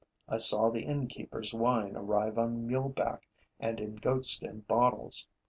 I saw the inn keeper's wine arrive on mule back and in goat skin bottles.